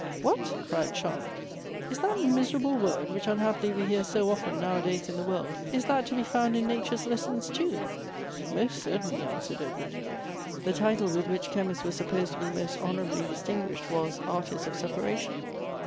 ''" What !" cried Charlotte, " is that miserable word, which unhappily we hear so often now a days in the world ; is that to be found in nature's lessons too ?" "Most certainly," answered Edward; "the title with which chemists were supposed to be most honorably dis tinguished was, artists of separation."